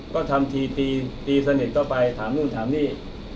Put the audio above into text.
ก็ทำทีตีตีสนิทเข้าไปถามนู่นถามนี่